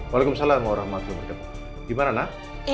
waalaikumsalam warahmatullahi wabarakatuh